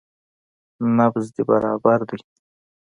نبض دې برابر ديه.